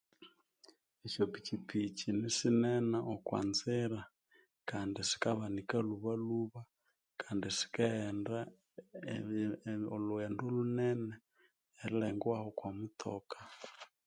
Esyapichichipi nisinene okwanzira Kandi sikabanika lhwubalhwuba Kandi sikaghenda olhughendo lhunene erilhengwagho okwamuthoka